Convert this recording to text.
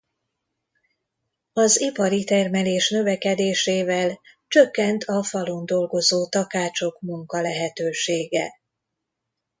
Az ipari termelés növekedésével csökkent a falun dolgozó takácsok munkalehetősége.